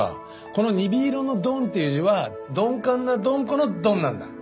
この『鈍色』の「鈍」っていう字は鈍感なドン子の「鈍」なんだ。